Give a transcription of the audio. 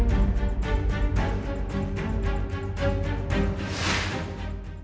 ปีที่ผ่านมาระหว่างที่เราคุยของพี่กฎามนายหลายอย่างก็ตรงนะ